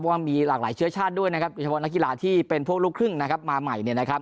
เพราะว่ามีหลากหลายเชื้อชาติด้วยนะครับโดยเฉพาะนักกีฬาที่เป็นพวกลูกครึ่งมาใหม่